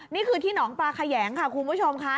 นี่คือที่หนองปลาแขยงค่ะคุณผู้ชมค่ะ